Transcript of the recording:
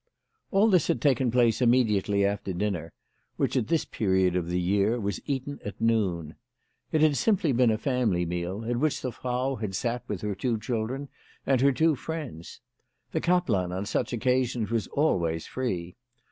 All this had taken place immediately after dinner, which at this period of the year was eaten at noon. It had simply been a family meal, at which the Frau had sat with her two children and her two friends. The kaplan on such occasions was always free.